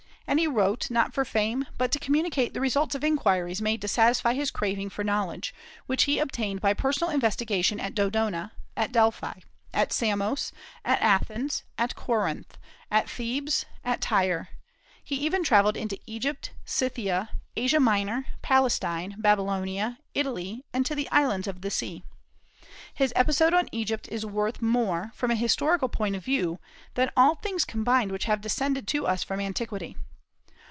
And he wrote, not for fame, but to communicate the results of inquiries made to satisfy his craving for knowledge, which he obtained by personal investigation at Dodona, at Delphi, at Samos, at Athens, at Corinth, at Thebes, at Tyre; he even travelled into Egypt, Scythia, Asia Minor, Palestine, Babylonia, Italy, and the islands of the sea. His episode on Egypt is worth more, from an historical point of view, than all things combined which have descended to us from antiquity.